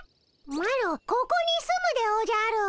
マロここに住むでおじゃる。